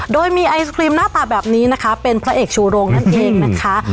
โดยมีไอศครีมหน้าตาแบบนี้นะคะเป็นพระเอกชูโรงนั่นเองนะคะ